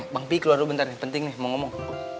bang pi keluar dulu bentar penting nih mau ngomong